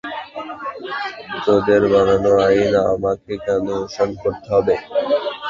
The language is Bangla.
তোদের বানানো আইন, আমাকে কেন অনুসরণ করতে হবে?